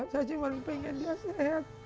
saya cuma pengen dia sehat